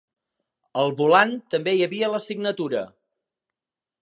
Al volant també hi havia la signatura.